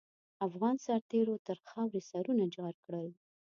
افغان سرتېرو تر خاروې سرونه جار کړل.